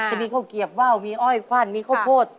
ทีนี้เขาเกียบว่าวมีอ้อยขวั่นมีข้าวโคตร